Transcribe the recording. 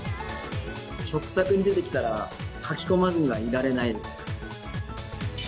食卓に出てきたらかき込まずにはいられないです。